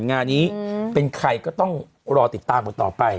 งานนี้เป็นใครก็ต้องรอติดตามกันต่อไป